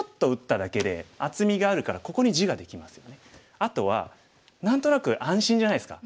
あとは何となく安心じゃないですか。